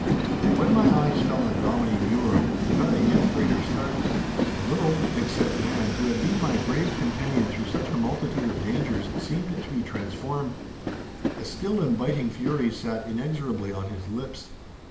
But when my eyes fell on Dominie Mure, I got a yet greater start. The little, thickset man, who had been my brave companion through such a multitude of dangers, seemed to be transformed. A still and biting fury sat inexorably on his lips.